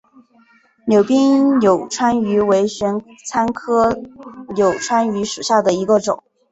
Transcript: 海滨柳穿鱼为玄参科柳穿鱼属下的一个种。